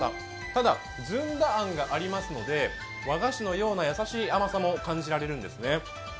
ただ、ずんだあんがありますので、和菓子のような優しい甘さも感じられるんですね。